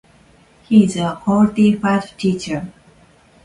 He is a qualified teacher.